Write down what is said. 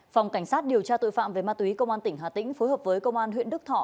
phòng cảnh sát điều tra tội phạm về ma túy công an tỉnh hà tĩnh phối hợp với công an huyện đức thọ